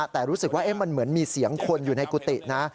แต่รู้สึกว่ามันเหมือนมีเสียงคนอยู่ในกุฏินะ